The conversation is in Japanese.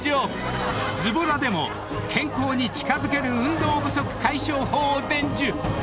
［ズボラでも健康に近づける運動不足解消法を伝授］